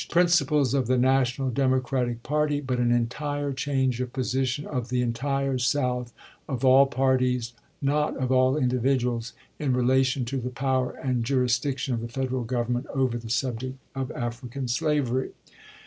principles of the national Democratic party, but an entire change of position of the entire South, of all AugS' parties, not of all individuals, in relation to the sept.eM86o, power and jurisdiction of the Federal Government clpve692nd' over the subject of African slavery."